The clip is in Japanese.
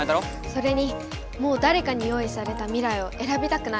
それにもうだれかに用いされた未来をえらびたくない。